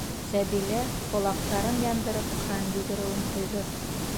- Сәбилә ҡолаҡтарын яндырып ҡан йүгереүен тойҙо.